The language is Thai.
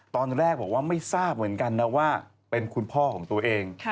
ตอนแรกบอกว่าไม่ทราบเหมือนกันนะว่าเป็นคุณพ่อของตัวเอง